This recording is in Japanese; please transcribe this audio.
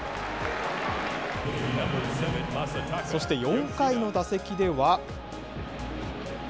そして４回の打席では。